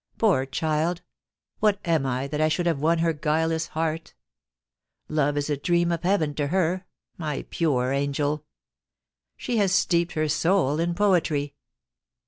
* Poor child ! What am I that I should have won her guileless heart ? Love is a dream of heaven to her — my pure Angel \ She has steeped her soul in poetry.